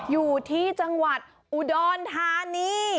อยู่ที่จังหวัดอุดรธานี